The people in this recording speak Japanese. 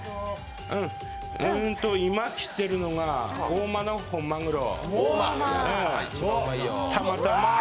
うん、うんと今切ってるのが大間の本マグロ。